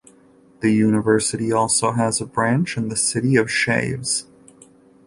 The University also has a branch in the city of Chaves.